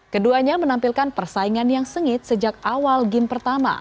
keduanya menampilkan persaingan yang sengit sejak awal game pertama